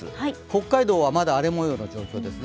北海道はまだ荒れ模様のようです。